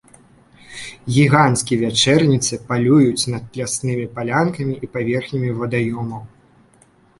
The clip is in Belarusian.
Гіганцкія вячэрніцы палююць над ляснымі палянкамі і паверхнямі вадаёмаў.